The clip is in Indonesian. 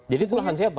jadi itu lahan siapa